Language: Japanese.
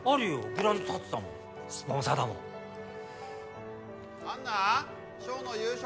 グラウンド建てたもんスポンサーだもん杏奈翔の夕食！